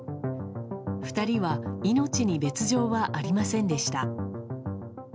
２人は命に別条はありませんでした。